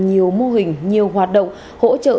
nhiều mô hình nhiều hoạt động hỗ trợ